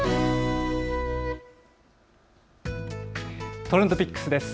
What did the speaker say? ＴｒｅｎｄＰｉｃｋｓです。